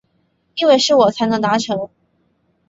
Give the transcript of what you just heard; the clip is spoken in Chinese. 因为是我才能达成